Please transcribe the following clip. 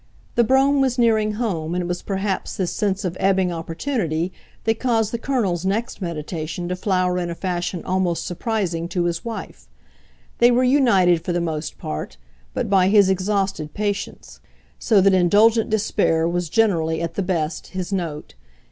The brougham was nearing home, and it was perhaps this sense of ebbing opportunity that caused the Colonel's next meditation to flower in a fashion almost surprising to his wife. They were united, for the most part, but by his exhausted patience; so that indulgent despair was generally, at the best, his note.